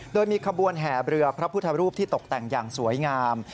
โดยมีขบวนแห่เรือพระพุทธรูปที่ตกแต่งอย่างสวยงาม